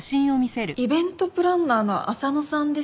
イベントプランナーの浅野さんですよね。